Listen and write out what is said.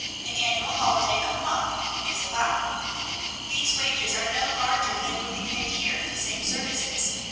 An annual holiday of a month is allowed.' "These wages are no larger than would be paid here for the same services.